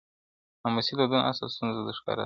• ناموسي دودونه اصل ستونزه ده ښکاره,